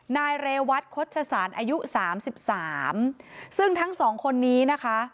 นายเรวัตโฆษศาลอายุสามสิบสามซึ่งทั้งสองคนนี้นะคะ